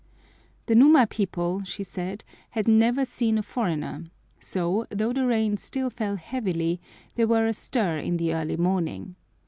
The Numa people, she said, had never seen a foreigner, so, though the rain still fell heavily, they were astir in the early morning.